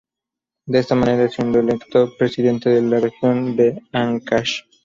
De esta manera siendo electo presidente de la región de Áncash.